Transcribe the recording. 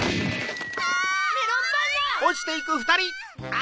あ！